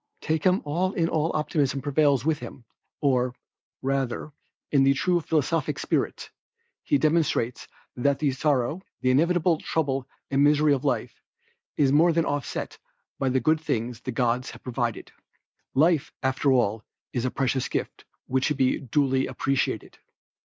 Take him all in all optimism prevails with him, or rather, in true philosophic spirit, he demonstrates that the sorrow, the inevitable trouble and misery of life, is more than offset by the good things the gods have provided. Life, after all, is a precious gift, which should be duly appreciated.